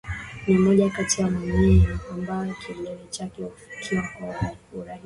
ni moja kati ya milima ambayo kilele chake hufikiwa kwa urahisi